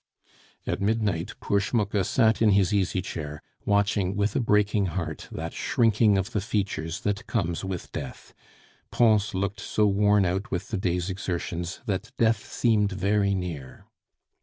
At midnight poor Schmucke sat in his easy chair, watching with a breaking heart that shrinking of the features that comes with death; Pons looked so worn out with the day's exertions, that death seemed very near.